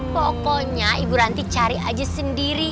pokoknya ibu ranti cari aja sendiri